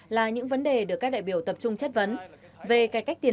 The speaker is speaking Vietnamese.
là những vấn đề được các đại biểu tập trung chất vấn